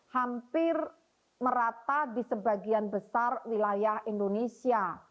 hampir merata di sebagian besar wilayah indonesia